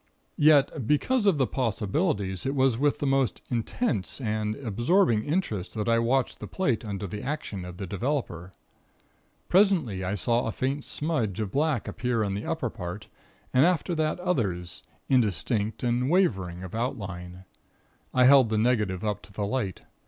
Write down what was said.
"Yet, because of the possibilities, it was with the most intense and absorbing interest that I watched the plate under the action of the developer. Presently I saw a faint smudge of black appear in the upper part, and after that others, indistinct and wavering of outline. I held the negative up to the light.